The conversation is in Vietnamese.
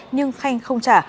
nhưng khanh không trả